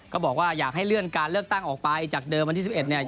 ก็บอกว่าอยากให้เลื่อนการเลือกตั้งออกไปจากเดิมวันที่๑๑เนี่ย